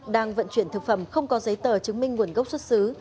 đang vận chuyển thực phẩm không có giấy tờ chứng minh nguồn gốc xuất xứ